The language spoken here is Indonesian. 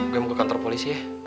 gue mau ke kantor polisi ya